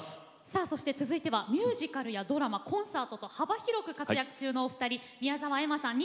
さあそして続いてはミュージカルやドラマコンサートと幅広く活躍中のお二人宮澤エマさん